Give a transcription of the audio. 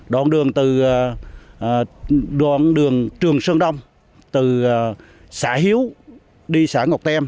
đoạn đường từ đoạn đường trường sơn đông từ xã hiếu đi xã ngọc têm